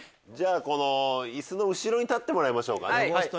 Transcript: じゃあイスの後ろに立ってもらいましょうか。